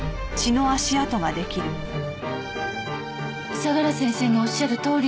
相良先生のおっしゃるとおりです。